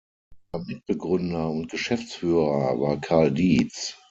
Der Mitbegründer und Geschäftsführer war Karl Dietz.